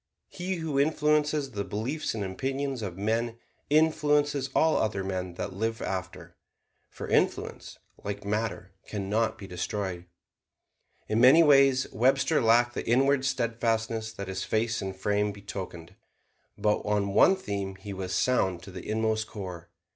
He who influences the beliefs and opinions of men influences all other men that live after. For influence, like matter, can not be destroyed. In many ways, Webster lacked the inward steadfastness that his face and frame betokened; but on one theme he was sound to the inmost core.